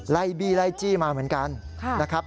ไล่บี้ไล่จี้มาเหมือนกันนะครับ